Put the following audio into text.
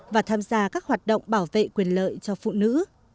và tham gia các hoạt động bảo vệ quyền lợi cho phụ nữ